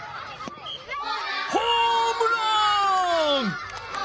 ホームラン！